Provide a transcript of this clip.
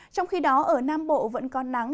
trong khi đó ở nam bộ vẫn còn nắng